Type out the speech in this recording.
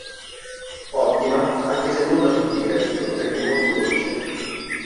Ottima, anche se non da tutti gradito perché molto dolce.